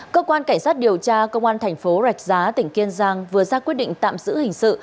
cơ quan cảnh sát điều tra công an thành phố rạch giá tỉnh kiên giang vừa ra quyết định tạm giữ hình sự